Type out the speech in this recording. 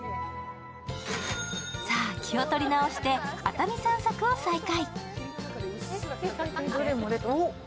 さあ、気を取り直して熱海散策を再開。